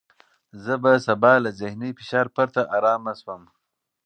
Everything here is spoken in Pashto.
زه به سبا له ذهني فشار پرته ارامه شوم.